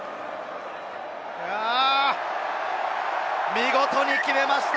見事に決めました。